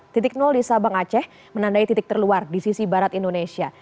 titik nol di sabang aceh menandai titik terluar di sisi barat indonesia